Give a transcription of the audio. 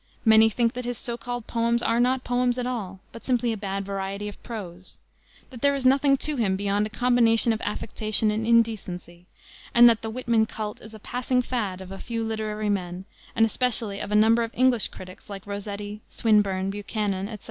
Many think that his so called poems are not poems at all, but simply a bad variety of prose; that there is nothing to him beyond a combination of affectation and indecency; and that the Whitman culte is a passing "fad" of a few literary men, and especially of a number of English critics like Rossetti, Swinburne, Buchanan, etc.